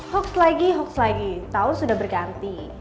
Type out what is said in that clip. hoax lagi hoax lagi tahun sudah berganti